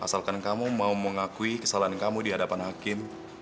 asalkan kamu mau mengakui kesalahan kamu di hadapan hakim